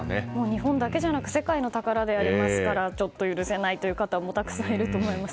日本だけじゃなく世界の宝でありますから許せない方もたくさんいると思います。